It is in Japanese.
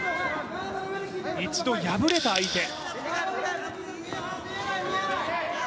一度敗れた相手。